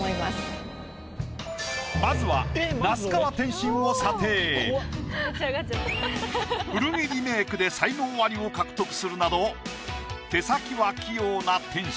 まずは古着リメイクで才能アリを獲得するなど手先は器用な天心。